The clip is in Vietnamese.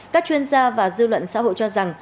các chuyên gia và dư luận xã hội cho rằng